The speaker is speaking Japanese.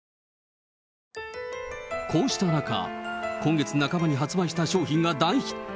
こうした中、今月半ばに発売した商品が大ヒット。